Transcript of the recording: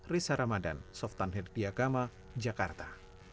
risa ramadan softan hiddi agama jakarta